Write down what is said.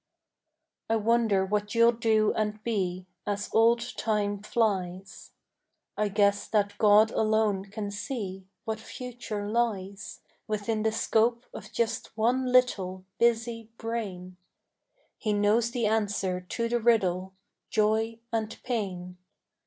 I wonder what you'll do and be As old time flies; I guess that God alone can see What future lies Within the scope of just one little Busy brain. He knows the answer to the riddle, Joy and Pain.